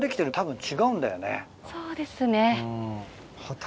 そうですね。